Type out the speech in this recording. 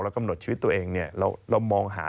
กำหนดชีวิตตัวเองเนี่ยเรามองหา